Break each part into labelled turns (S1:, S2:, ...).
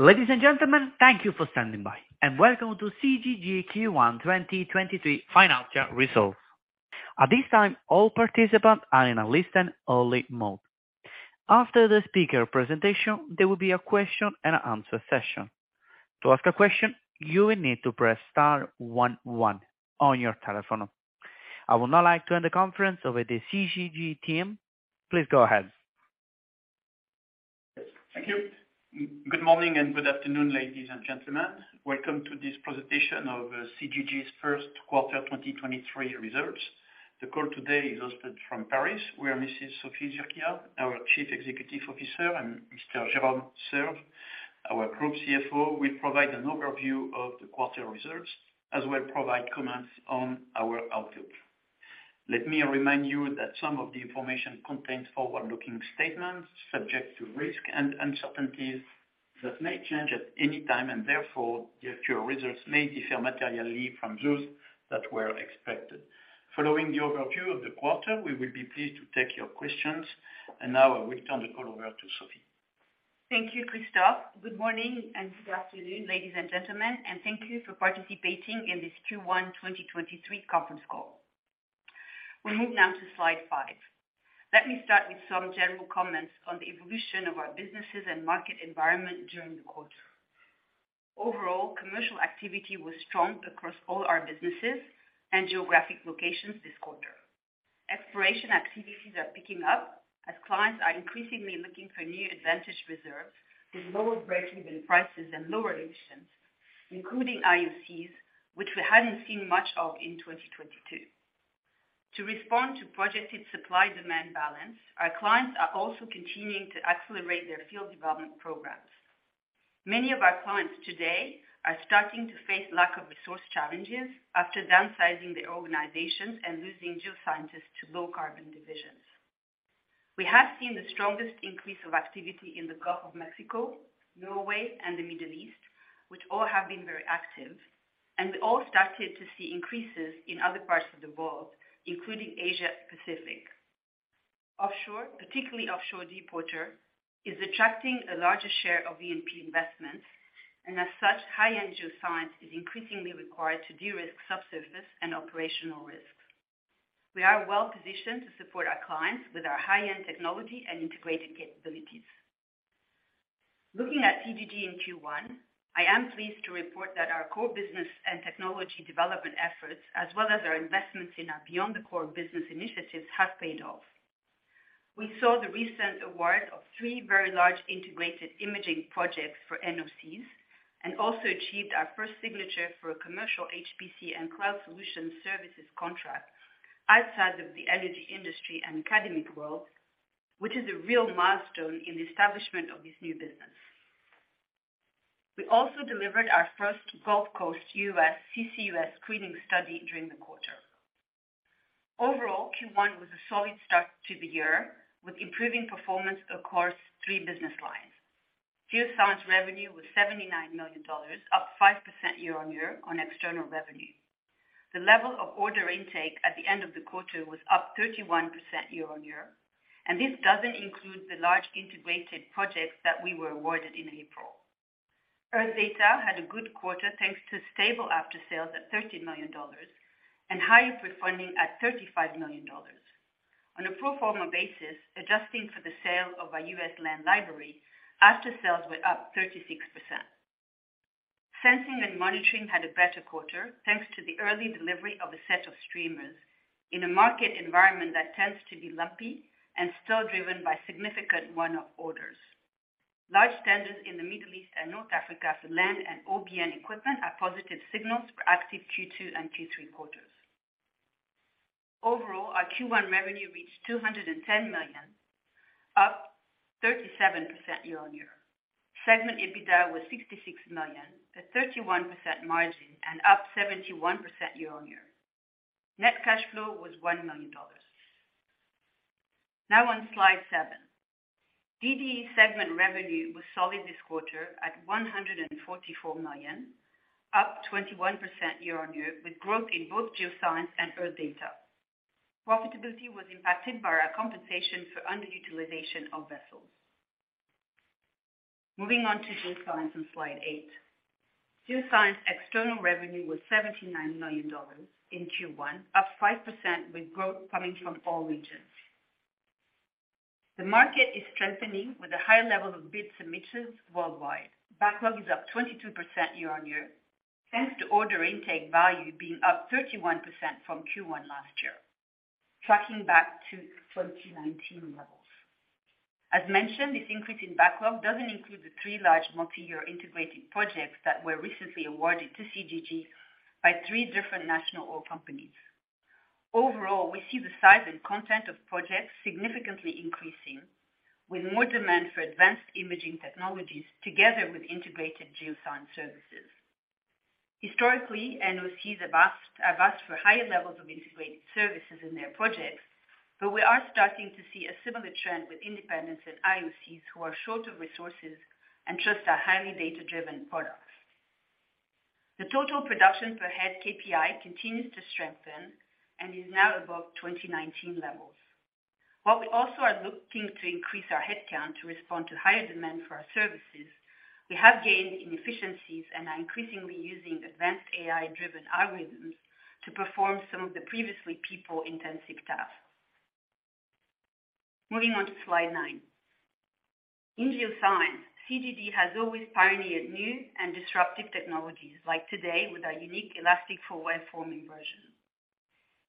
S1: Ladies and gentlemen, thank you for standing by, and welcome to CGG Q1 2023 financial results. At this time, all participants are in a listen-only mode. After the speaker presentation, there will be a question and answer session. To ask a question, you will need to press star one one on your telephone. I would now like to hand the conference over to CGG team. Please go ahead.
S2: Thank you. Good morning and good afternoon, ladies and gentlemen. Welcome to this presentation of CGG's first quarter 2023 results. The call today is hosted from Paris, where Mrs. Sophie Zurquiyah, our Chief Executive Officer, and Mr. Jérôme Serve, our Group CFO, will provide an overview of the quarter results, as well provide comments on our outlook. Let me remind you that some of the information contains forward-looking statements subject to risk and uncertainties that may change at any time, and therefore, the actual results may differ materially from those that were expected. Following the overview of the quarter, we will be pleased to take your questions. Now I will turn the call over to Sophie.
S3: Thank you, Christophe. Good morning and good afternoon, ladies and gentlemen, thank you for participating in this Q1 2023 conference call. We move now to slide five. Let me start with some general comments on the evolution of our businesses and market environment during the quarter. Overall, commercial activity was strong across all our businesses and geographic locations this quarter. Exploration activities are picking up as clients are increasingly looking for new advantage reserves with lower breakeven prices and lower emissions, including IOCs, which we hadn't seen much of in 2022. To respond to projected supply-demand balance, our clients are also continuing to accelerate their field development programs. Many of our clients today are starting to face lack of resource challenges after downsizing their organizations and losing geoscientists to low-carbon divisions. We have seen the strongest increase of activity in the Gulf of Mexico, Norway, and the Middle East, which all have been very active, and we all started to see increases in other parts of the world, including Asia Pacific. Offshore, particularly offshore deepwater, is attracting a larger share of E&P investments, and as such, high-end geoscience is increasingly required to de-risk subsurface and operational risks. We are well-positioned to support our clients with our high-end technology and integrated capabilities. Looking at CGG in Q1, I am pleased to report that our core business and technology development efforts, as well as our investments in our beyond the core business initiatives, have paid off. We saw the recent award of three very large integrated imaging projects for NOCs and also achieved our first signature for a commercial HPC and cloud solution services contract outside of the energy industry and academic world, which is a real milestone in the establishment of this new business. We also delivered our first Gulf Coast U.S. CCUS screening study during the quarter. Overall, Q1 was a solid start to the year, with improving performance across three business lines. Geoscience revenue was $79 million, up 5% year-on-year on external revenue. The level of order intake at the end of the quarter was up 31% year-on-year, and this doesn't include the large integrated projects that we were awarded in April. Earth Data had a good quarter, thanks to stable after-sales at $30 million and higher pre-funding at $35 million. On a pro forma basis, adjusting for the sale of our U.S. land library, after-sales were up 36%. Sensing and Monitoring had a better quarter, thanks to the early delivery of a set of streamers in a market environment that tends to be lumpy and still driven by significant one-off orders. Large tenders in the Middle East and North Africa for land and OBN equipment are positive signals for active Q2 and Q3 quarters. Overall, our Q1 revenue reached $210 million, up 37% year-on-year. Segment EBITDA was $66 million, a 31% margin and up 71% year-on-year. Net cash flow was $1 million. On slide seven. DDE segment revenue was solid this quarter at $144 million, up 21% year-on-year, with growth in both geoscience and Earth Data. Profitability was impacted by our compensation for underutilization of vessels. Moving on to geoscience on slide eight. Geoscience external revenue was $79 million in Q1, up 5%, with growth coming from all regions. The market is strengthening with a high level of bid submittals worldwide. Backlog is up 22% year-on-year, thanks to order intake value being up 31% from Q1 last year, tracking back to 2019 levels. As mentioned, this increase in backlog doesn't include the three large multi-year integrated projects that were recently awarded to CGG by three different national oil companies. Overall, we see the size and content of projects significantly increasing, with more demand for advanced imaging technologies together with integrated geoscience services. Historically, NOCs have asked for higher levels of integrated services in their projects, we are starting to see a similar trend with independents and IOCs who are short of resources and trust our highly data-driven products. The total production per head KPI continues to strengthen and is now above 2019 levels. we also are looking to increase our headcount to respond to higher demand for our services, we have gained in efficiencies and are increasingly using advanced AI-driven algorithms to perform some of the previously people-intensive tasks. Moving on to slide nine. In geoscience, CGG has always pioneered new and disruptive technologies, like today with our unique Elastic FWI.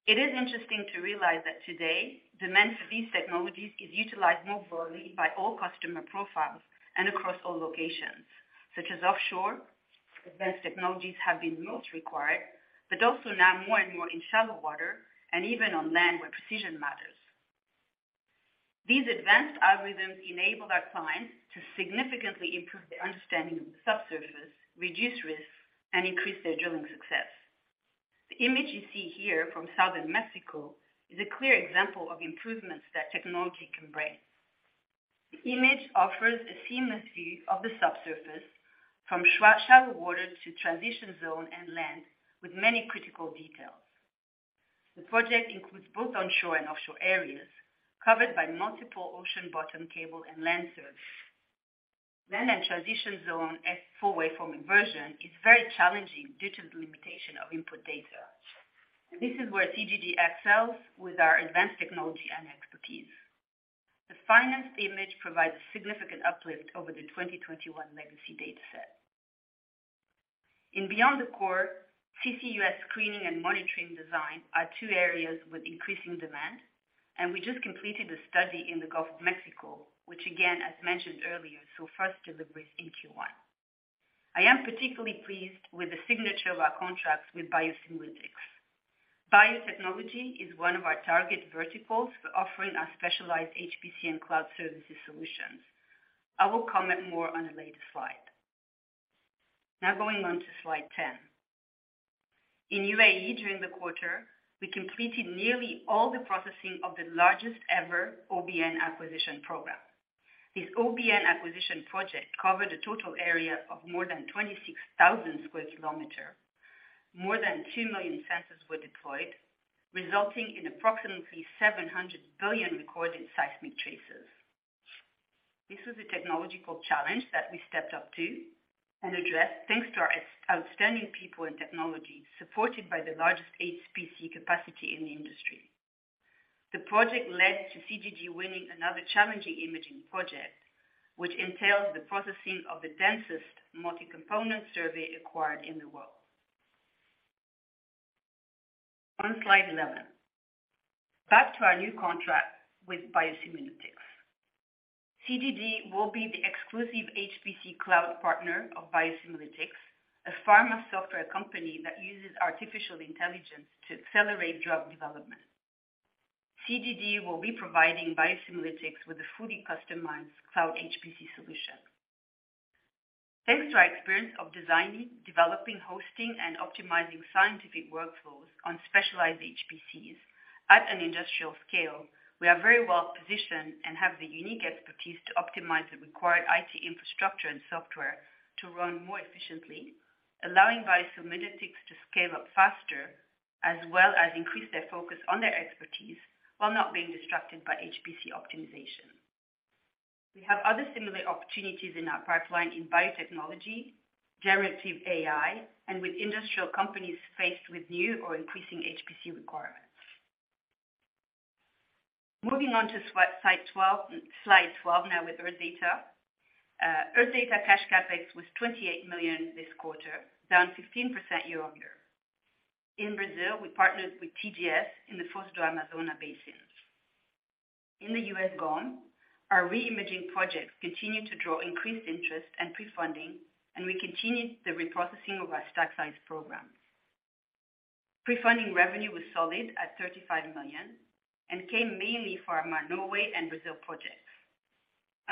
S3: It is interesting to realize that today demand for these technologies is utilized more broadly by all customer profiles and across all locations, such as offshore. Advanced technologies have been most required, also now more and more in shallow water and even on land where precision matters. These advanced algorithms enable our clients to significantly improve their understanding of the subsurface, reduce risk, and increase their drilling success. The image you see here from Southern Mexico is a clear example of improvements that technology can bring. The image offers a seamless view of the subsurface from shallow water to transition zone and land with many critical details. The project includes both onshore and offshore areas covered by multiple ocean bottom cable and land surveys. In transition zone, Full Waveform Inversion is very challenging due to the limitation of input data. This is where CGG excels with our advanced technology and expertise. The finest image provides a significant uplift over the 2021 legacy data set. In beyond the core, CCUS screening and monitoring design are two areas with increasing demand. We just completed a study in the Gulf of Mexico, which again, as mentioned earlier, saw first deliveries in Q1. I am particularly pleased with the signature of our contracts with BioSymulitics. Biotechnology is one of our target verticals for offering our specialized HPC and cloud services solutions. I will comment more on a later slide. Going on to slide 10. In UAE, during the quarter, we completed nearly all the processing of the largest ever OBN acquisition program. This OBN acquisition project covered a total area of more than 26,000 sq km. More than 2 million sensors were deployed, resulting in approximately 700 billion recorded seismic traces. This was a technological challenge that we stepped up to and addressed thanks to our outstanding people and technology, supported by the largest HPC capacity in the industry. The project led to CGG winning another challenging imaging project, which entails the processing of the densest multi-component survey acquired in the world. On slide 11. Back to our new contract with BioSymulitics. CGG will be the exclusive HPC cloud partner of BioSymulitics, a pharma software company that uses artificial intelligence to accelerate drug development. CGG will be providing BioSymulitics with a fully customized cloud HPC solution. Thanks to our experience of designing, developing, hosting and optimizing scientific workflows on specialized HPCs at an industrial scale, we are very well positioned and have the unique expertise to optimize the required IT infrastructure and software to run more efficiently, allowing BioSymulitics to scale up faster, as well as increase their focus on their expertise while not being distracted by HPC optimization. We have other similar opportunities in our pipeline in biotechnology, generative AI, and with industrial companies faced with new or increasing HPC requirements. Moving on to slide twelve now with Earth Data. Earth Data cash CapEx was 28 million this quarter, down 15% year-on-year. In Brazil, we partnered with TGS in the Foz do Amazonas Basin. In the U.S. Gulf, our re-imaging projects continued to draw increased interest and pre-funding, and we continued the reprocessing of our stack size program. Pre-funding revenue was solid at 35 million and came mainly from our Norway and Brazil projects.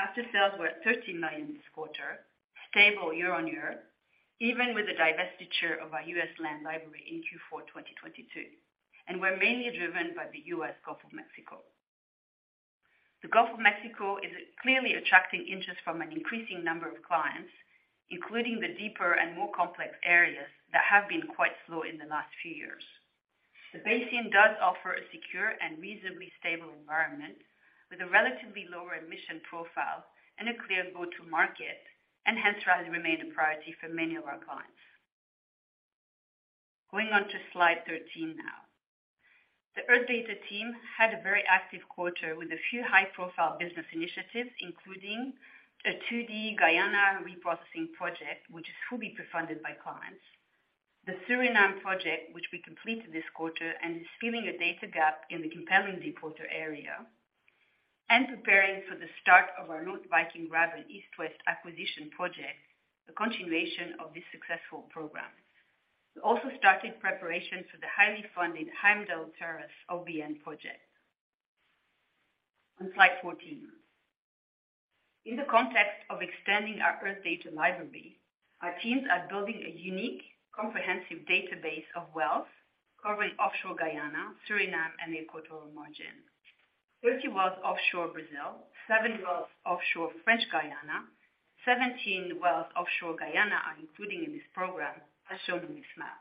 S3: after-sales were 13 million this quarter, stable year-on-year, even with the divestiture of our U.S. land library in Q4 2022, and were mainly driven by the U.S. Gulf of Mexico. The U.S. Gulf of Mexico is clearly attracting interest from an increasing number of clients, including the deeper and more complex areas that have been quite slow in the last few years. The basin does offer a secure and reasonably stable environment with a relatively lower emission profile and a clear go-to market, hence rather remain a priority for many of our clients. Going on to slide 13 now. The Earth Data team had a very active quarter with a few high-profile business initiatives, including a 2D Guyana reprocessing project which is fully pre-funded by clients. The Suriname project which we completed this quarter and is filling a data gap in the compelling deporter area and preparing for the start of our Northern Viking Graben East-West acquisition project, the continuation of this successful program. We also started preparation for the highly funded Heimdal Terrace OBN project. On slide 14. In the context of extending our Earth Data library, our teams are building a unique, comprehensive database of wells covering offshore Guyana, Suriname, and Equatorial margin. 30 wells offshore Brazil, 70 wells offshore French Guyana, 17 wells offshore Guyana are including in this program, as shown in this map.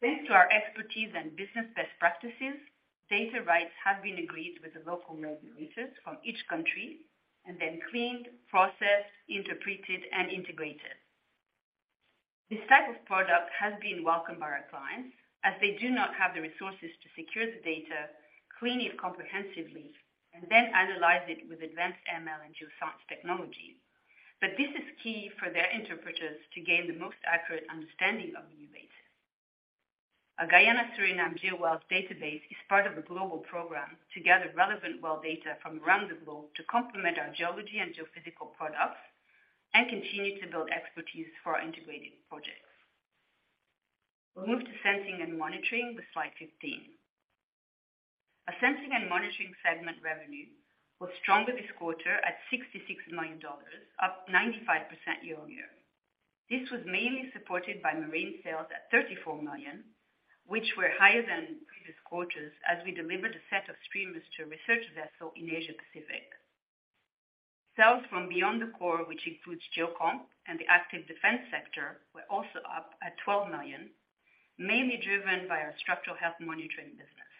S3: Thanks to our expertise and business best practices, data rights have been agreed with the local regulators from each country, and then cleaned, processed, interpreted, and integrated. This type of product has been welcomed by our clients, as they do not have the resources to secure the data, clean it comprehensively, and then analyze it with advanced ML and geoscience technology. This is key for their interpreters to gain the most accurate understanding of new data. Our Guyana-Suriname GeoWells database is part of a global program to gather relevant well data from around the globe to complement our geology and geophysical products and continue to build expertise for our integrated projects. We move to Sensing & Monitoring with slide 15. Our Sensing & Monitoring segment revenue was stronger this quarter at $66 million, up 95% year-on-year. This was mainly supported by marine sales at $34 million, which were higher than previous quarters as we delivered a set of streamers to a research vessel in Asia Pacific. Sales from beyond the core, which includes Geocom and the active defense sector, were also up at 12 million, mainly driven by our structural health monitoring business.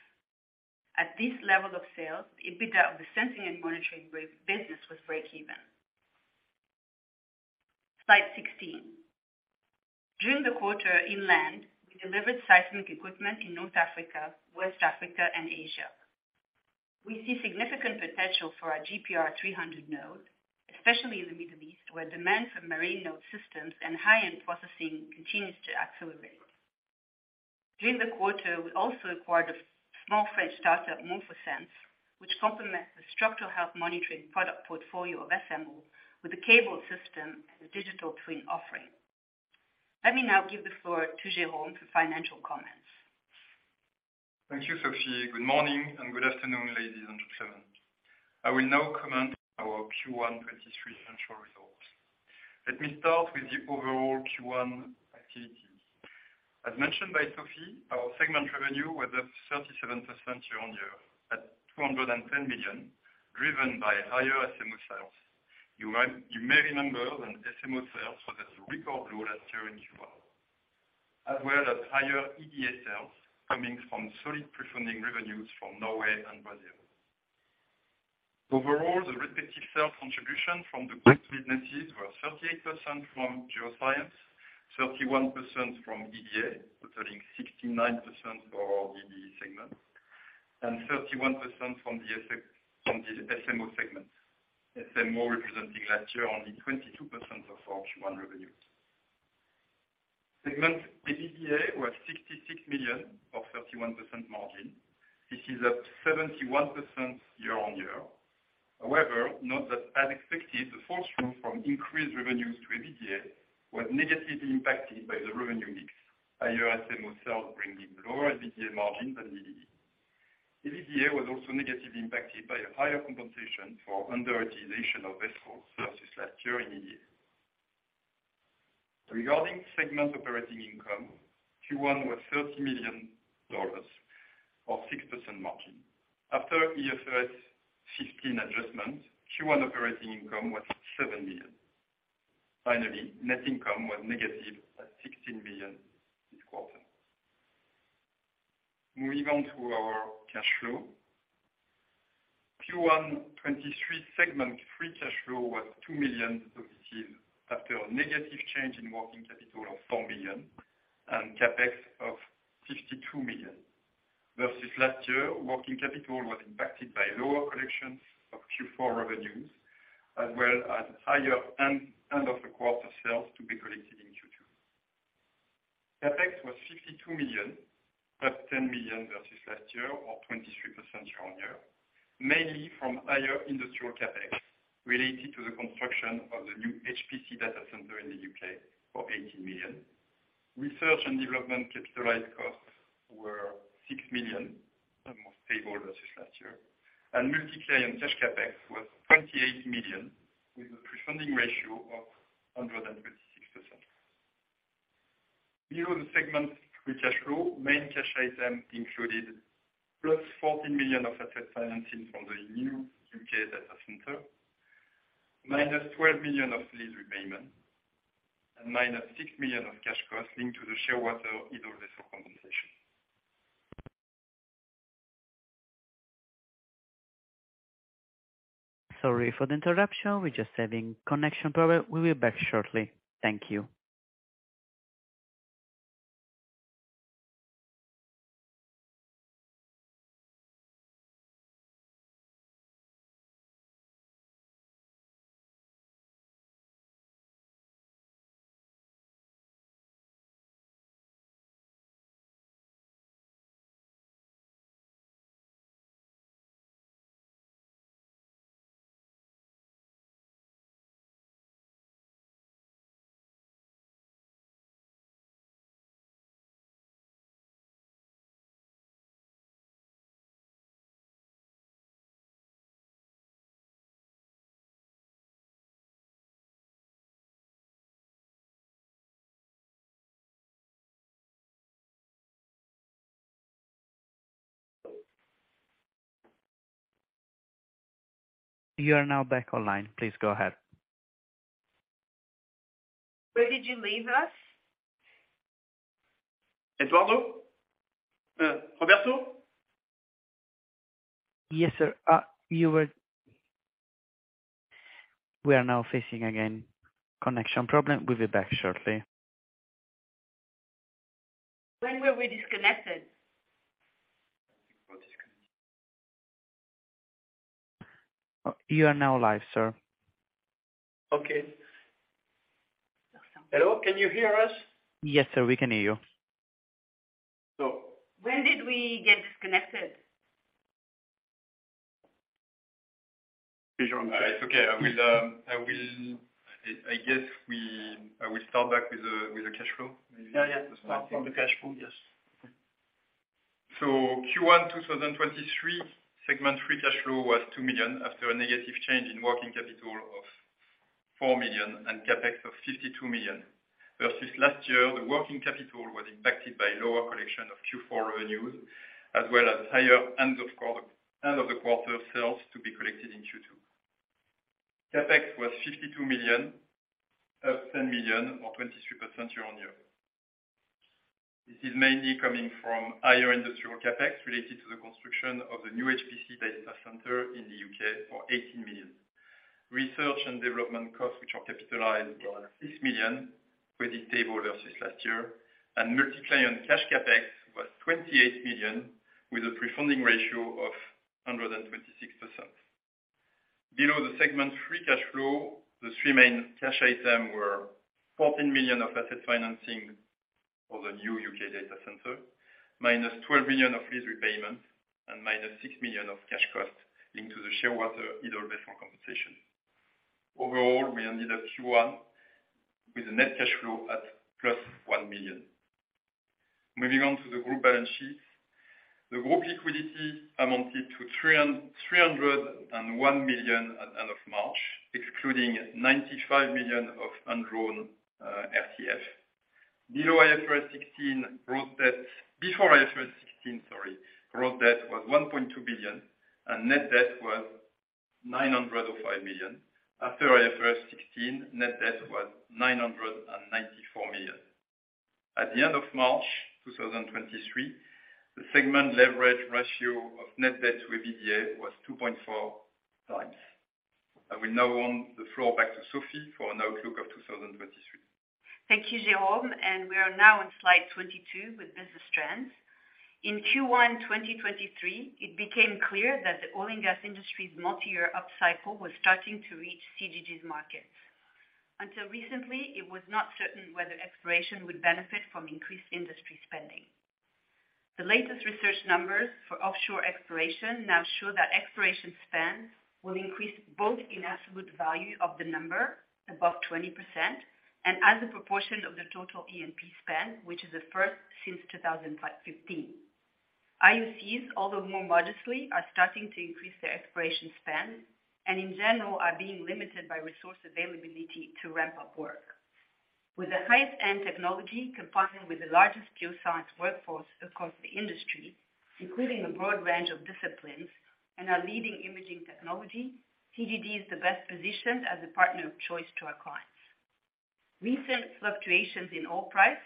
S3: At this level of sales, the EBITDA of the Sensing & Monitoring business was breakeven. Slide 16. During the quarter inland, we delivered seismic equipment in North Africa, West Africa, and Asia. We see significant potential for our GPR300 node, especially in the Middle East, where demand for marine node systems and high-end processing continues to accelerate. During the quarter, we also acquired a small French startup, Morphosense, which complements the structural health monitoring product portfolio of SMO with a cabled system and a digital twin offering. Let me now give the floor to Jérôme for financial comments.
S4: Thank you, Sophie. Good morning and good afternoon, ladies and gentlemen. I will now commence our Q1 2023 financial results. Let me start with the overall Q1 activities. As mentioned by Sophie, our segment revenue was up 37% year-on-year at 210 million, driven by higher SMO sales. You may remember that SMO sales were at a record low last year in Q1. As well as higher EDA sales coming from solid pre-funding revenues from Norway and Brazil. Overall, the respective sales contribution from the core businesses were 38% from geoscience, 31% from EDA, totaling 69% for our DDE segment, and 31% from the SMO segment. SMO representing last year only 22% of our Q1 revenues. Segment EBITDA was 66 million or 31% margin. This is up 71% year-on-year. Note that as expected, the full stream from increased revenues to EBITDA was negatively impacted by the revenue mix, higher SMO sales bringing lower EBITDA margins than EDA. EBITDA was also negatively impacted by a higher compensation for underutilization of vessel services last year in EDA. Regarding segment operating income, Q1 was $30 million or 6% margin. After IFRS 16 adjustments, Q1 operating income was $7 million. Net income was negative at $16 million this quarter. Moving on to our cash flow. Q1 2023 segment free cash flow was $2 million negative after a negative change in working capital of $4 million and CapEx of $52 million. Versus last year, working capital was impacted by lower collections of Q4 revenues as well as higher end of the quarter sales to be collected in Q2. CapEx was 52 million, up 10 million versus last year or 23% year on year, mainly from higher industrial CapEx related to the construction of the new HPC data center in the U.K. for 18 million. Research and development capitalized costs were 6 million, almost stable versus last year. Multi-client cash CapEx was 28 million with a pre-funding ratio of 126%. Below the segment free cash flow, main cash item included +14 million of asset financing from the new U.K. data center, -12 million of lease repayment, and -6 million of cash costs linked to the Shearwater idle vessel compensation.
S1: Sorry for the interruption. We're just having connection problem. We'll be back shortly. Thank you. You are now back online. Please go ahead.
S3: Where did you leave us?
S4: Eduardo? Roberto?
S1: Yes, sir. We are now facing again connection problem. We'll be back shortly.
S3: When were we disconnected?
S1: You are now live, sir.
S4: Okay. Hello, can you hear us?
S1: Yes, sir, we can hear you.
S4: So-
S3: When did we get disconnected?
S4: It's okay. I guess we, I will start back with the cash flow maybe. Yeah. Start from the cash flow. Yes. Q1 2023, segment free cash flow was 2 million after a negative change in working capital of 4 million and CapEx of 52 million. Versus last year, the working capital was impacted by lower collection of Q4 revenues, as well as higher end of the quarter sales to be collected in Q2. CapEx was 52 million, up 10 million or 23% year-on-year. This is mainly coming from higher industrial CapEx related to the construction of the new HPC data center in the U.K. for 18 million. Research and development costs, which are capitalized, were at 6 million, pretty stable versus last year. Multi-client cash CapEx was 28 million with a pre-funding ratio of 126%. Below the segment free cash flow, the three main cash item were 14 million of asset financing for the new U.K. data center, -12 million of lease repayment, and -6 million of cash cost into the Shearwater idle base compensation. Overall, we ended up Q1 with a net cash flow at +1 million. Moving on to the group balance sheet. The group liquidity amounted to 301 million at end of March, excluding 95 million of undrawn RCF. Before IFRS 16, sorry, gross debt was 1.2 billion, and net debt was 905 million. After IFRS 16, net debt was 994 million. At the end of March 2023, the segment leverage ratio of net debt to EBITDA was 2.4 times. I will now hand the floor back to Sophie for an outlook of 2023.
S3: Thank you, Jérôme, we are now on slide 22 with business trends. In Q1 2023, it became clear that the oil and gas industry's multi-year upcycle was starting to reach CGG's market. Until recently, it was not certain whether exploration would benefit from increased industry spending. The latest research numbers for offshore exploration now show that exploration spend will increase both in absolute value of the number above 20% and as a proportion of the total E&P spend, which is a first since 2015. IOCs, although more modestly, are starting to increase their exploration spend and in general are being limited by resource availability to ramp-up work. With the highest-end technology combined with the largest geoscience workforce across the industry, including a broad range of disciplines and our leading imaging technology, CGG is the best positioned as a partner of choice to our clients. Recent fluctuations in oil price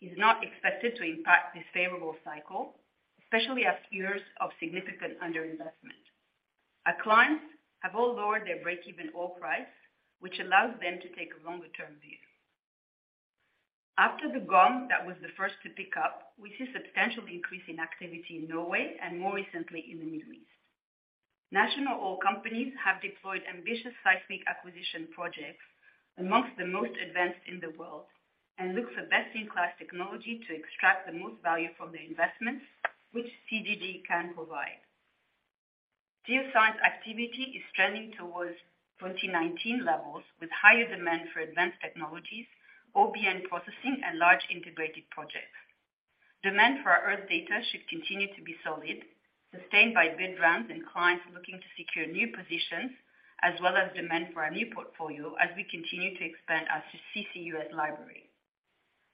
S3: is not expected to impact this favorable cycle, especially as years of significant underinvestment. Our clients have all lowered their break-even oil price, which allows them to take a longer-term view. After the GoM that was the first to pick up, we see substantial increase in activity in Norway and more recently in the Middle East. National oil companies have deployed ambitious seismic acquisition projects amongst the most advanced in the world, and look for best-in-class technology to extract the most value from their investments, which CGG can provide. Geoscience activity is trending towards 2019 levels with higher demand for advanced technologies, OBN processing and large integrated projects. Demand for our Earth Data should continue to be solid, sustained by bid rounds and clients looking to secure new positions as well as demand for our new portfolio as we continue to expand our CCUS library.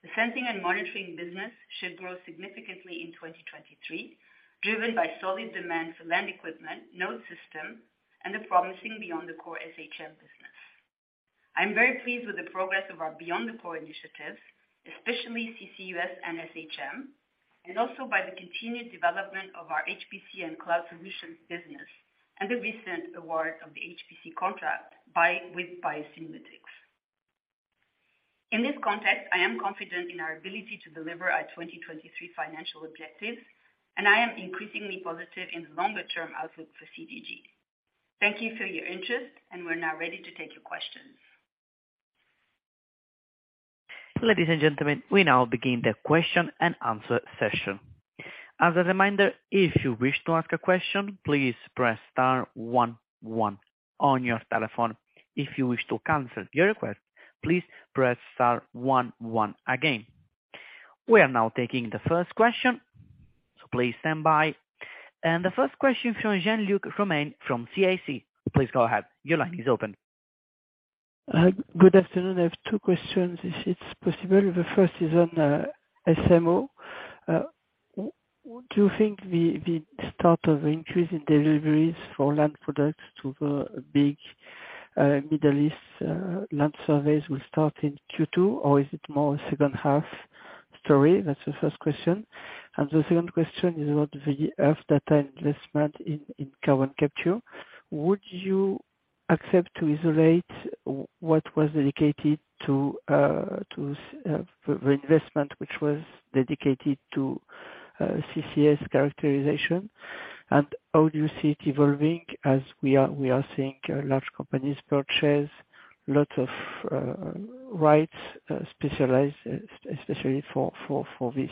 S3: The Sensing & Monitoring business should grow significantly in 2023, driven by solid demand for land equipment, node system, and the promising beyond the core SHM business. I'm very pleased with the progress of our beyond the core initiatives, especially CCUS and SHM, and also by the continued development of our HPC and cloud solutions business and the recent award of the HPC contract with BioSymulitics. In this context, I am confident in our ability to deliver our 2023 financial objectives. I am increasingly positive in the longer term outlook for CGG. Thank you for your interest. We're now ready to take your questions.
S1: Ladies and gentlemen, we now begin the question and answer session. As a reminder, if you wish to ask a question, please press star 11 on your telephone. If you wish to cancel your request, please press star 11 again. We are now taking the first question, so please stand by. The first question from Jean-Luc Romain from CIC. Please go ahead. Your line is open.
S5: Good afternoon. I have two questions, if it's possible. The first is on SMO. Would you think the start of increase in deliveries for land products to the big Middle East land surveys will start in Q2, or is it more second half story? That's the first question. The second question is about the Earth Data investment in carbon capture. Would you accept to isolate what was dedicated to the investment which was dedicated to CCS characterization? How do you see it evolving as we are seeing large companies purchase lots of rights, specialized, especially for this,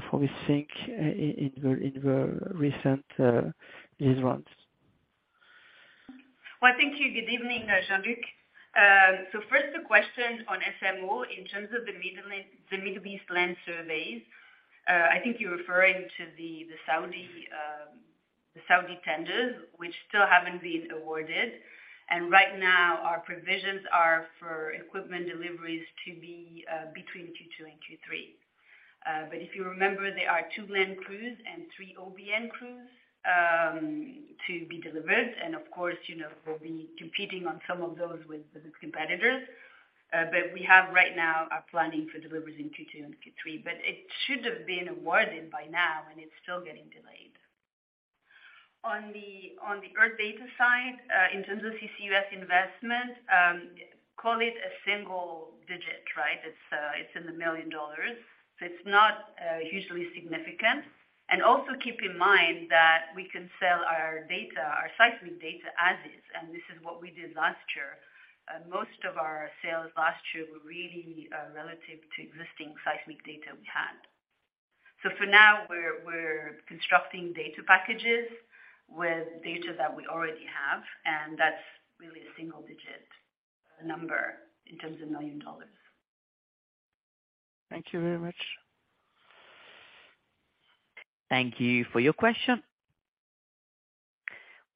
S5: for this sync in the recent deals ones?
S3: Why thank you. Good evening, Jean-Luc. First the question on SMO. In terms of the Middle East, the Middle East land surveys, I think you're referring to the Saudi tenders, which still haven't been awarded. Right now, our provisions are for equipment deliveries to be between Q2 and Q3. If you remember, there are two land crews and three OBN crews to be delivered. Of course, you know, we'll be competing on some of those with competitors. We have right now are planning for deliveries in Q2 and Q3. It should have been awarded by now, and it's still getting delayed. On the Earth Data side, in terms of CCUS investment, call it a single digit, right? It's in the million dollars. It's not hugely significant. Also keep in mind that we can sell our data, our seismic data as is, and this is what we did last year. Most of our sales last year were really relative to existing seismic data we had. For now, we're constructing data packages with data that we already have, and that's really a single digit number in terms of $ million.
S5: Thank you very much.
S1: Thank you for your question.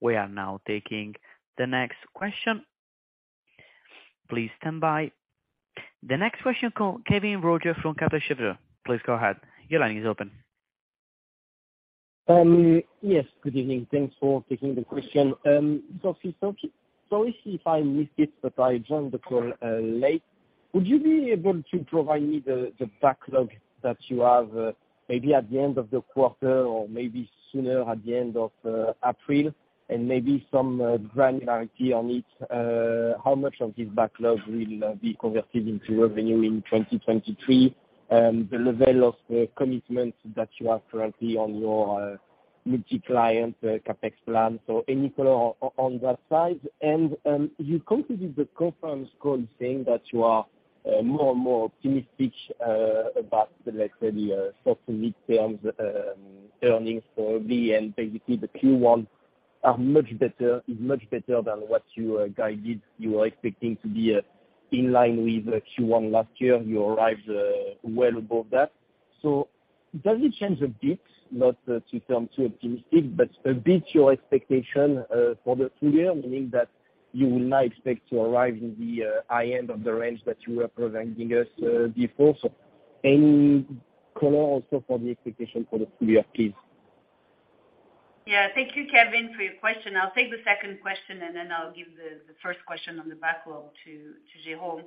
S1: We are now taking the next question. Please stand by. The next question, call Kévin Roger from Kepler Cheuvreux. Please go ahead. Your line is open.
S6: Yes. Good evening. Thanks for taking the question. So if I missed it, but I joined the call late, would you be able to provide me the backlog that you have maybe at the end of the quarter or maybe sooner at the end of April and maybe some granularity on it? How much of this backlog will be converted into revenue in 2023? The level of the commitments that you have currently on your multi-client CapEx plan, so any color on that side. You completed the conference call saying that you are more and more optimistic about, let's say, the short to mid-term earnings for BN. Basically, the Q1 is much better than what you guided. You were expecting to be in line with Q1 last year. You arrived well above that. Does it change a bit, not to sound too optimistic, but a bit your expectation for the full year, meaning that you will not expect to arrive in the high end of the range that you were presenting us before? Any color also for the expectation for the full year, please.
S3: Yeah. Thank you, Kevin, for your question. I'll take the second question, and then I'll give the first question on the backlog to Jérôme.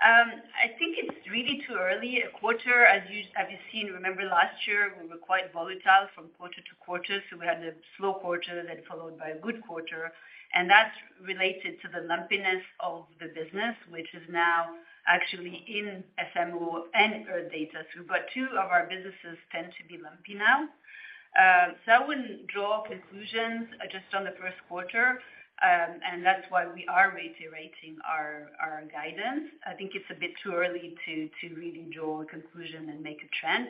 S3: I think it's really too early a quarter. As you've seen, remember last year, we were quite volatile from quarter to quarter. We had a slow quarter then followed by a good quarter, and that's related to the lumpiness of the business, which is now actually in SMO and Earth Data. We've got two of our businesses tend to be lumpy now. I wouldn't draw conclusions just on the first quarter, and that's why we are reiterating our guidance. I think it's a bit too early to really draw a conclusion and make a trend.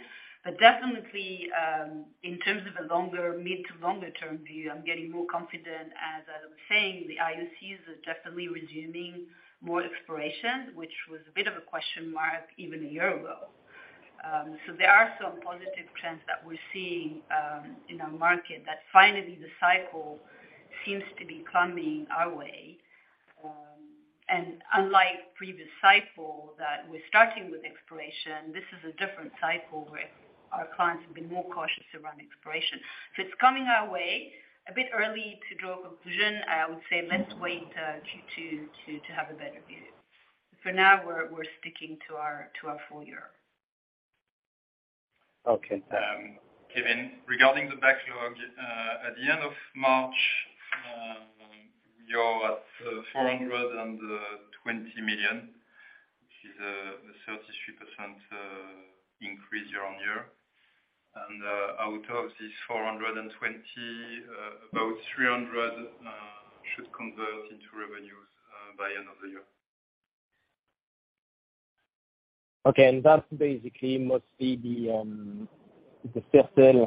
S3: Definitely, in terms of a longer mid to longer term view, I'm getting more confident. As I was saying, the IOC is definitely resuming more exploration, which was a bit of a question mark even a year ago. There are some positive trends that we're seeing in our market that finally the cycle seems to be coming our way. Unlike previous cycle that we're starting with exploration, this is a different cycle where our clients have been more cautious around exploration. It's coming our way. A bit early to draw a conclusion. I would say let's wait Q2 to have a better view. For now, we're sticking to our full year.
S6: Okay.
S5: Kevin, regarding the backlog, at the end of March, you're at 420 million, which is 33% increase year-on-year. Out of this 420, about 300 million should convert into revenues by end of the year.
S6: Okay. That's basically mostly the certain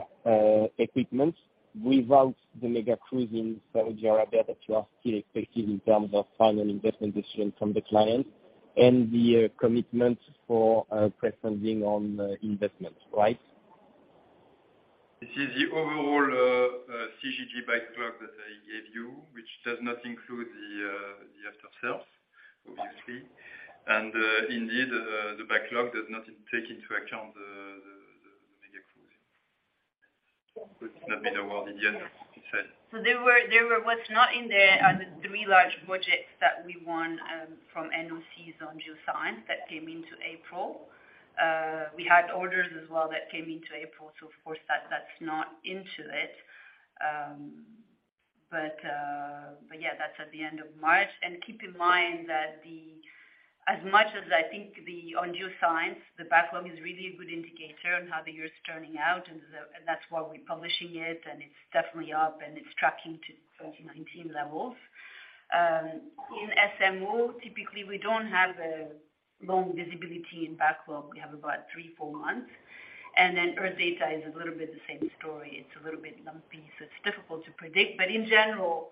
S6: equipment without the mega cruise in Saudi Arabia that you are still expecting in terms of final investment decision from the client and the commitment for pre-funding on investment. Right?
S4: This is the overall CGG backlog that I gave you, which does not include the after-sales obviously. Indeed, the backlog does not take into account the mega cruise. It's not been awarded yet, you said.
S3: What's not in there are the three large projects that we won from NOCs on geoscience that came into April. We had orders as well that came into April, so of course that's not into it. But yeah, that's at the end of March. Keep in mind that the... as much as I think the on geoscience, the backlog is really a good indicator on how the year is turning out, and that's why we're publishing it, and it's definitely up and it's tracking to 2019 levels. In SMO, typically we don't have the long visibility in backlog. We have about three, four months. Earth Data is a little bit the same story. It's a little bit lumpy, so it's difficult to predict. In general,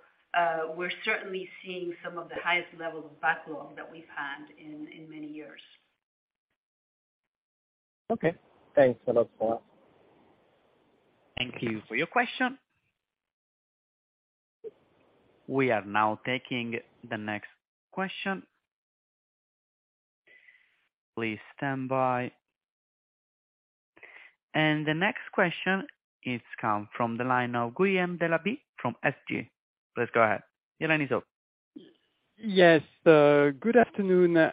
S3: we're certainly seeing some of the highest levels of backlog that we've had in many years.
S4: Okay. Thanks a lot for that.
S1: Thank you for your question. We are now taking the next question. Please stand by. The next question is come from the line of Guillaume Delaby from SG. Please go ahead. Your line is open.
S7: Yes. Good afternoon.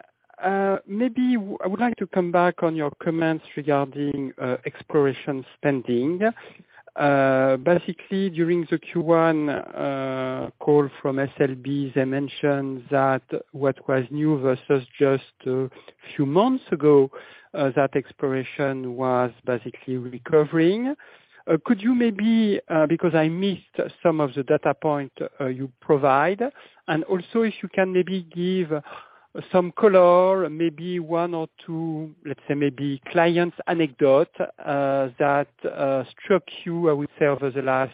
S7: Maybe I would like to come back on your comments regarding exploration spending. Basically, during the Q1 call from SLB, they mentioned that what was new versus just a few months ago, that exploration was basically recovering. Could you maybe, because I missed some of the data point, you provide, and also if you can maybe give some color, maybe one or two, let's say maybe clients anecdote, that struck you, I would say, over the last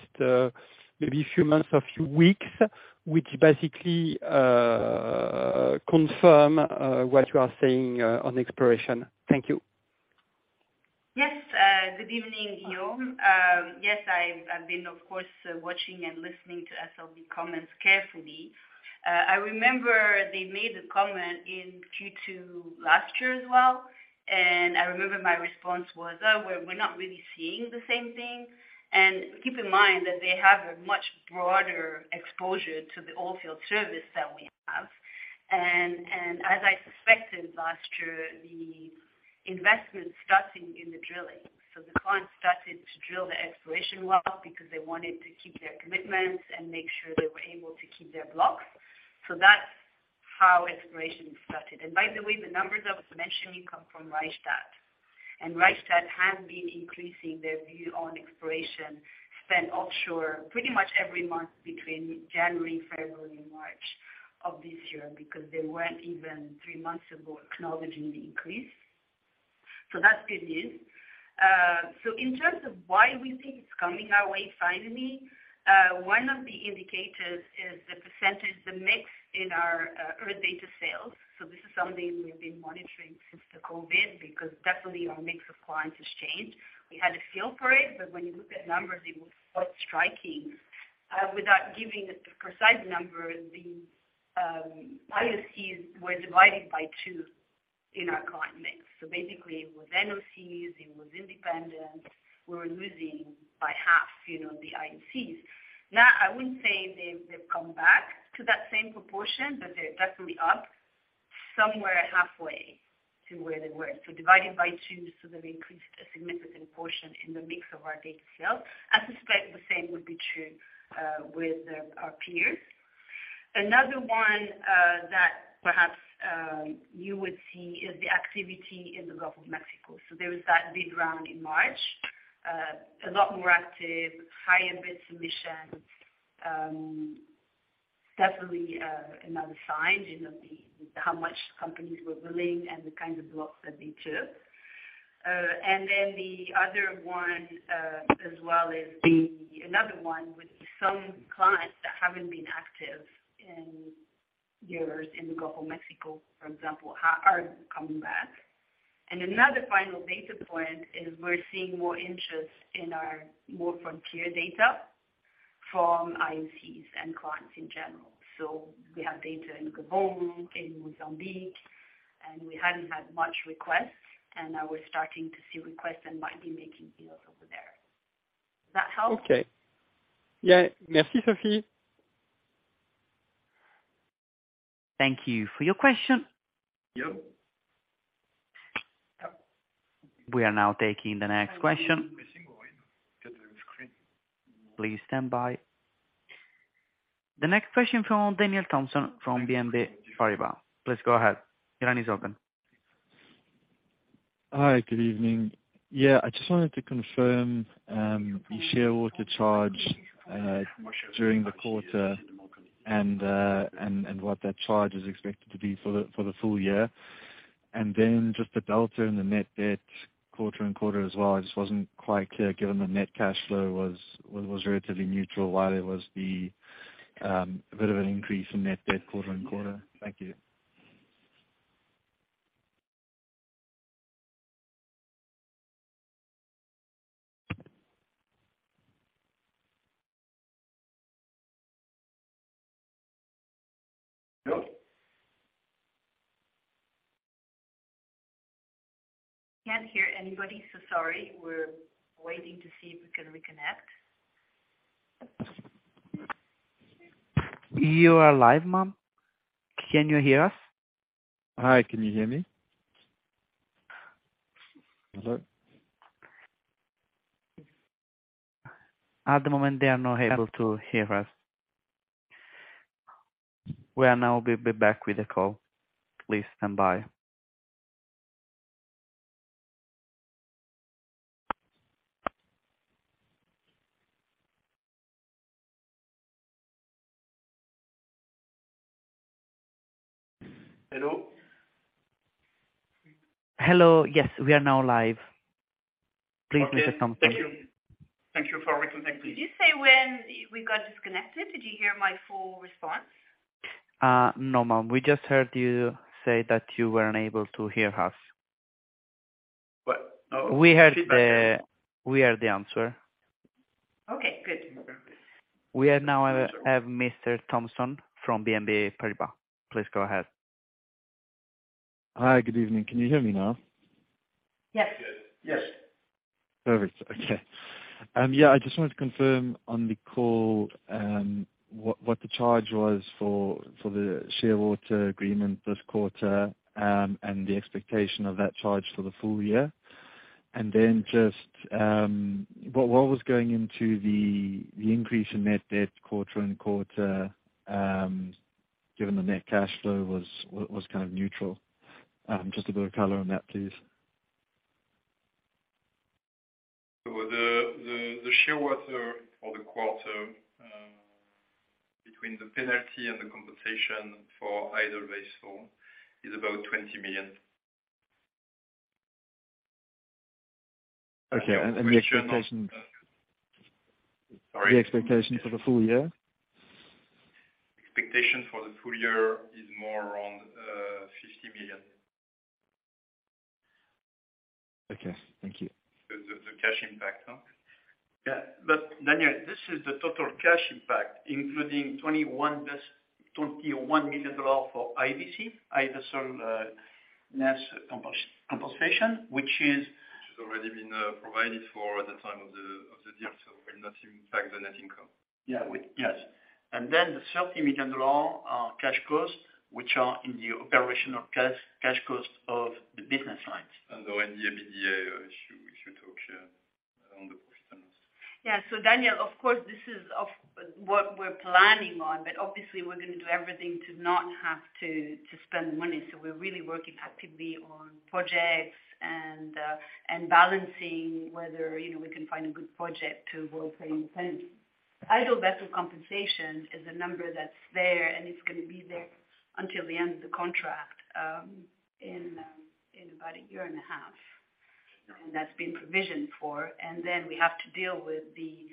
S7: maybe few months or few weeks, which basically, confirm what you are saying on exploration? Thank you.
S3: Yes. Good evening, Guillaume. Yes, I've been, of course, watching and listening to SLB comments carefully. I remember they made a comment in Q2 last year as well, and I remember my response was, "Oh, we're not really seeing the same thing." Keep in mind that they have a much broader exposure to the oilfield service than we have. As I suspected last year, the investment starting in the drilling. The clients started to drill the exploration well because they wanted to keep their commitments and make sure they were able to keep their blocks. That's how exploration started. By the way, the numbers I was mentioning come from Rystad. Rystad has been increasing their view on exploration spend offshore pretty much every month between January, February, and March of this year, because they weren't even three months ago acknowledging the increase. That's good news. In terms of why we think it's coming our way finally, one of the indicators is the percentage, the mix in our Earth Data sales. This is something we've been monitoring since the COVID, because definitely our mix of clients has changed. We had a feel for it, when you look at numbers, it was quite striking. Without giving the precise numbers, the IOCs were divided by two in our client mix. Basically it was NOCs, it was independent. We were losing by half, you know, the IOCs. I wouldn't say they've come back to that same proportion, but they're definitely up somewhere halfway to where they were. Divided by two, so they've increased a significant portion in the mix of our data sales. I suspect the same would be true with our peers. Another one that perhaps you would see is the activity in the Gulf of Mexico. There was that big round in March, a lot more active, higher bid submissions, definitely another sign, you know, how much companies were willing and the kinds of blocks that they took. The other one as well is another one would be some clients that haven't been active in years in the Gulf of Mexico, for example, are coming back. Another final data point is we're seeing more interest in our more frontier data from IOCs and clients in general. We have data in Gabon, in Mozambique, and we hadn't had much requests, and now we're starting to see requests and might be making deals over there. Does that help?
S7: Okay. Yeah. Merci, Sophie.
S1: Thank you for your question.
S4: Yep.
S1: We are now taking the next question. Please stand by. The next question from Daniel Thomson from BNP Paribas. Please go ahead. Your line is open.
S8: Hi, good evening. Yeah, I just wanted to confirm, the Shearwater charge during the quarter and what that charge is expected to be for the full year. Just the delta in the net debt quarter and quarter as well, I just wasn't quite clear given the net cash flow was relatively neutral, while there was a bit of an increase in net debt quarter on quarter. Thank you.
S4: Hello?
S3: Can't hear anybody. Sorry. We're waiting to see if we can reconnect.
S1: You are live, ma'am. Can you hear us?
S8: Hi. Can you hear me? Hello?
S1: At the moment, they are not able to hear us. We are now back with a call. Please stand by.
S4: Hello?
S1: Hello. Yes, we are now live. Please, Mr. Thomson.
S4: Thank you. Thank you for reconnecting.
S3: Did you say when we got disconnected, did you hear my full response?
S1: No, ma'am. We just heard you say that you were unable to hear us.
S4: But, oh-
S1: We heard the answer.
S3: Okay, good.
S1: We now have Mr. Daniel Thomson from BNP Paribas. Please go ahead.
S8: Hi, good evening. Can you hear me now?
S3: Yes.
S4: Yes.
S8: Perfect. Okay. Yeah, I just wanted to confirm on the call, what the charge was for the Shearwater agreement this quarter, and the expectation of that charge for the full year. Then just, what was going into the increase in net debt quarter-on-quarter, given the net cash flow was kind of neutral. Just a bit of color on that, please.
S4: The Shearwater for the quarter, between the penalty and the compensation for idle vessel is about $20 million.
S8: Okay. the expectation-
S4: Sorry.
S8: The expectation for the full year?
S4: Expectation for the full year is more around 50 million.
S8: Okay, thank you.
S4: The cash impact, huh?
S2: Yeah. Daniel, this is the total cash impact, including $21 million for IBC, either sell, less compensation, which is.
S4: Which has already been provided for at the time of the deal, so will not impact the net income.
S2: Yeah. Yes. The $30 million, cash costs, which are in the operational cash cost of the business lines.
S4: The NDMBDA issue, we should talk, yeah, around the customers.
S3: Daniel, of course, this is of what we're planning on, but obviously we're gonna do everything to not have to spend money. We're really working actively on projects and balancing whether, you know, we can find a good project to avoid paying penalty. Idle vessel compensation is a number that's there, and it's gonna be there until the end of the contract in about a year and a half. That's been provisioned for, and then we have to deal with the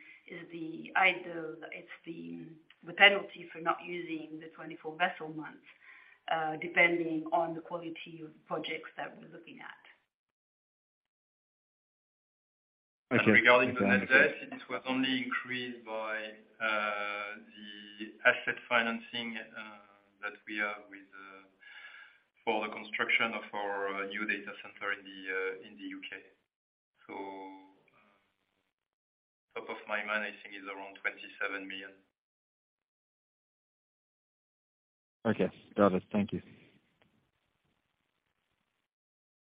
S3: penalty for not using the 24 vessel months depending on the quality of projects that we're looking at.
S8: Okay.
S4: Regarding the net debt, it was only increased by the asset financing that we have with for the construction of our new data center in the U.K. Top of my mind, I think it's around 27 million.
S8: Okay. Got it. Thank you.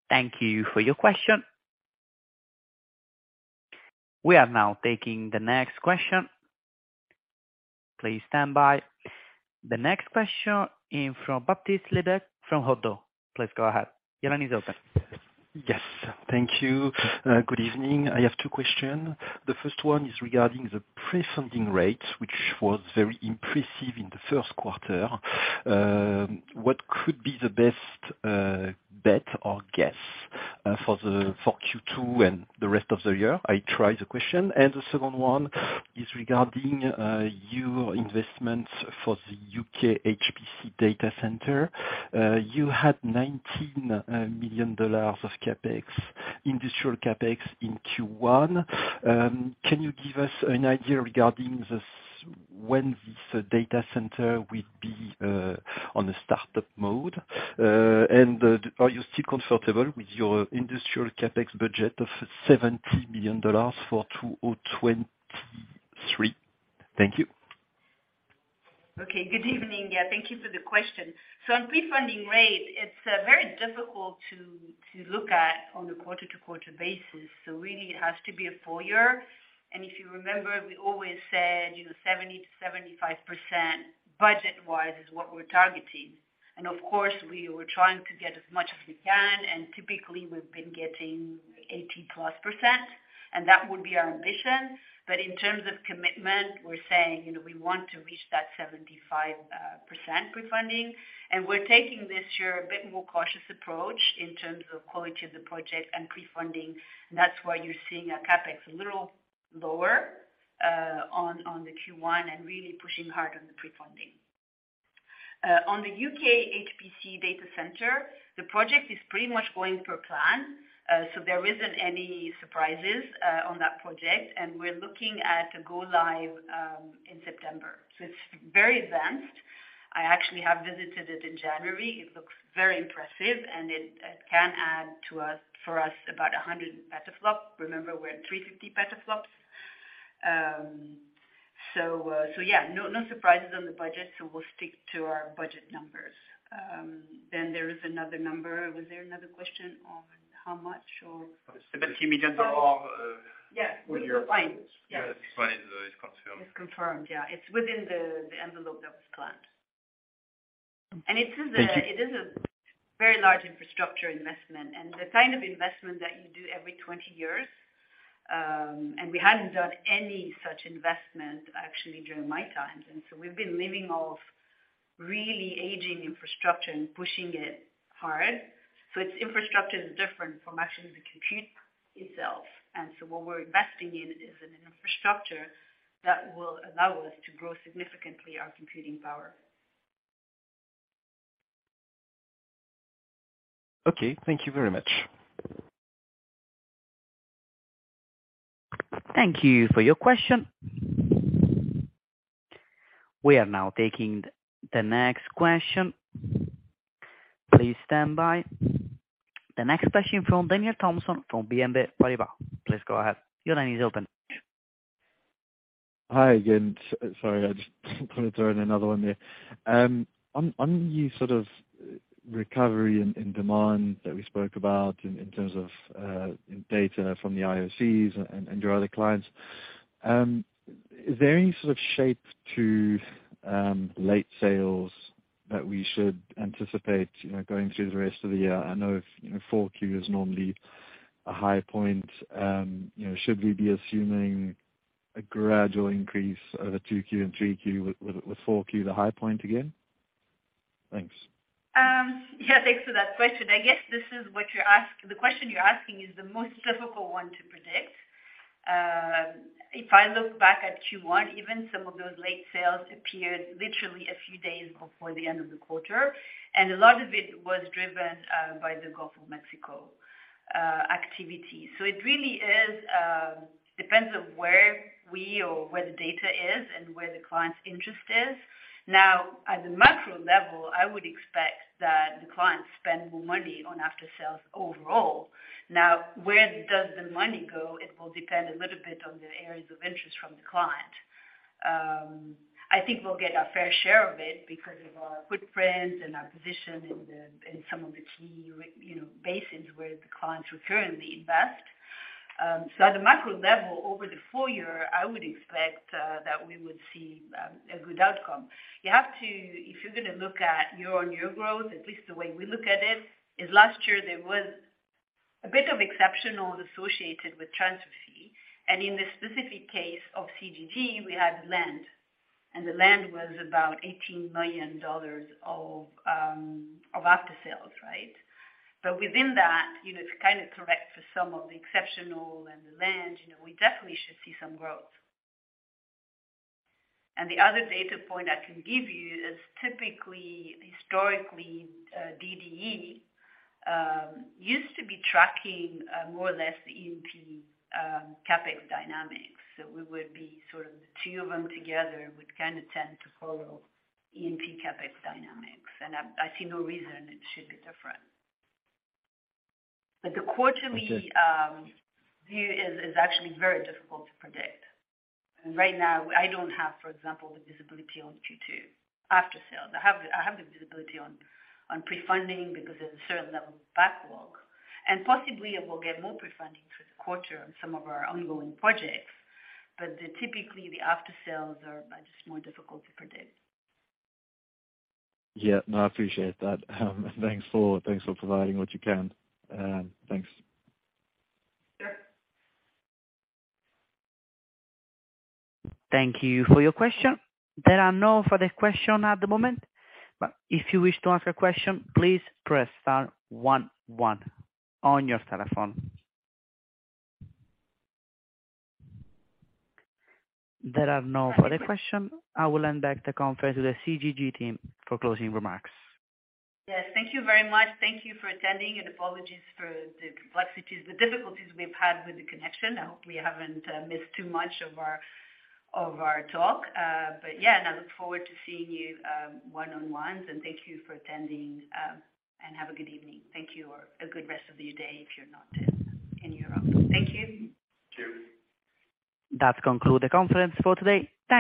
S1: Thank you for your question. We are now taking the next question. Please stand by. The next question in from Baptiste Lebacq from Oddo. Please go ahead. Your line is open.
S9: Yes. Thank you. Good evening. I have two questions. The first one is regarding the pre-funding rate, which was very impressive in the first quarter. What could be the best bet or guess for Q2 and the rest of the year? I try the question. The second one is regarding your investment for the U.K. HPC data center. You had $19 million of CapEx, industrial CapEx in Q1. Can you give us an idea regarding when this data center will be on a startup mode? Are you still comfortable with your industrial CapEx budget of $70 million for 2023? Thank you.
S3: Good evening. Thank you for the question. On pre-funding rate, it's very difficult to look at on a quarter-to-quarter basis. Really it has to be a full year. If you remember, we always said, you know, 70%-75% budget-wise is what we're targeting. Of course, we were trying to get as much as we can, and typically we've been getting 80%+, and that would be our ambition. In terms of commitment, we're saying, you know, we want to reach that 75% pre-funding. We're taking this year a bit more cautious approach in terms of quality of the project and pre-funding. That's why you're seeing a CapEx a little lower on the Q1 and really pushing hard on the pre-funding. On the U.K. HPC data center, the project is pretty much going per plan. There isn't any surprises on that project, and we're looking at go live in September. It's very advanced. I actually have visited it in January. It looks very impressive, and it can add to us for us about 100 petaFLOPS. Remember, we're at 350 petaFLOPS. Yeah, no surprises on the budget, we'll stick to our budget numbers. There is another number. Was there another question on how much or? Yes. We are fine. Yes. Fine. It's confirmed. It's confirmed. Yeah. It's within the envelope that was planned. It is Thank you. It is a very large infrastructure investment and the kind of investment that you do every 20 years. We hadn't done any such investment actually during my time. We've been living off really aging infrastructure and pushing it hard. It's infrastructure is different from actually the compute itself. What we're investing in is an infrastructure that will allow us to grow significantly our computing power. Okay. Thank you very much.
S1: Thank you for your question. We are now taking the next question. Please stand by. The next question from Daniel Thomson from BNP Paribas. Please go ahead. Your line is open.
S8: Hi again. Sorry, I just wanna throw in another one there. On the sort of recovery in demand that we spoke about in terms of data from the IOCs and your other clients, is there any sort of shape to late sales that we should anticipate, you know, going through the rest of the year? I know, you know, four Q is normally a high point. You know, should we be assuming a gradual increase over two Q and three Q with four Q, the high point again? Thanks.
S3: Yeah. Thanks for that question. I guess this is what the question you're asking is the most difficult one to predict. If I look back at Q1, even some of those late sales appeared literally a few days before the end of the quarter. A lot of it was driven by the Gulf of Mexico activity. It really is depends on where we or where the data is and where the client's interest is. At the macro level, I would expect that the clients spend more money on after-sales overall. Where does the money go? It will depend a little bit on the areas of interest from the client. I think we'll get our fair share of it because of our footprint and our position in some of the key, you know, basins where the clients currently invest. At the macro level, over the full year, I would expect that we would see a good outcome. If you're gonna look at year-over-year growth, at least the way we look at it, is last year there was a bit of exceptional associated with transfer fee. In this specific case of CGG, we had land, and the land was about $18 million of after-sales, right. Within that, you know, to kind of correct for some of the exceptional and the land, you know, we definitely should see some growth. The other data point I can give you is typically, historically, DDE used to be tracking more or less the E&P CapEx dynamics. We would be sort of the two of them together would kinda tend to follow E&P CapEx dynamics. I see no reason it should be different. The quarterly-
S8: Okay.
S3: View is actually very difficult to predict. Right now I don't have, for example, the visibility on Q2 after-sales. I have the visibility on pre-funding because there's a certain level of backlog, and possibly we'll get more pre-funding through the quarter on some of our ongoing projects. Typically the after-sales are just more difficult to predict.
S8: No, I appreciate that. Thanks for, thanks for providing what you can. Thanks.
S3: Sure.
S1: Thank you for your question. There are no further question at the moment, but if you wish to ask a question, please press star one one on your telephone. There are no further question. I will hand back the conference to the CGG team for closing remarks.
S3: Yes. Thank you very much. Thank you for attending. Apologies for the complexities, the difficulties we've had with the connection. I hope we haven't missed too much of our talk. I look forward to seeing you, one-on-ones, and thank you for attending, and have a good evening. Thank you, or a good rest of your day if you're not in Europe. Thank you. Thank you.
S1: That concludes the conference for today. Thank you.